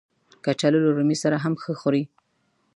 کچالو له رومي سره هم ښه خوري